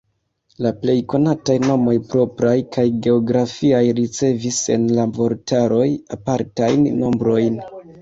La plej konataj nomoj propraj kaj geografiaj ricevis en la vortaroj apartajn nombrojn.